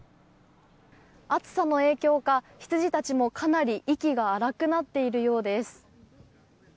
暑さの影響かヒツジたちもかなり息が荒くなっているようです。